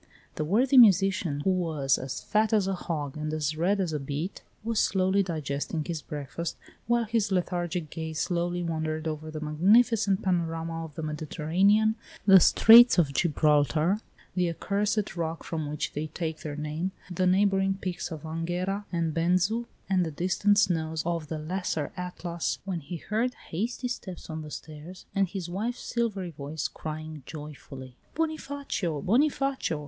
The worthy musician, who was as fat as a hog and as red as a beet, was slowly digesting his breakfast, while his lethargic gaze slowly wandered over the magnificent panorama of the Mediterranean, the Straits of Gibraltar, the accursed rock from which they take their name, the neighboring peaks of Anghera and Benzu, and the distant snows of the Lesser Atlas when he heard hasty steps on the stairs and his wife's silvery voice crying joyfully: "Bonifacio! Bonifacio!